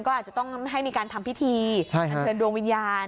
ก็อาจจะต้องให้มีการทำพิธีอันเชิญดวงวิญญาณ